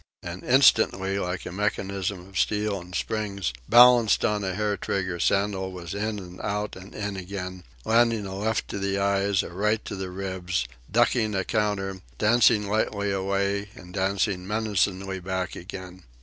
And instantly, like a mechanism of steel and springs balanced on a hair trigger, Sandel was in and out and in again, landing a left to the eyes, a right to the ribs, ducking a counter, dancing lightly away and dancing menacingly back again.